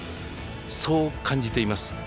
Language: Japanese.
そう感じています。